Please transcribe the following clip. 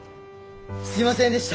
すいませんでした！